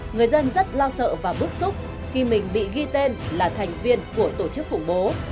người dân rất lo sợ và bức xúc khi mình bị ghi tên là thành viên của tổ chức khủng bố